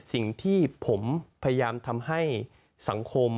สิ่งที่ผมพยายามทำให้สังคม